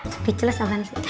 sepi celas apaan sih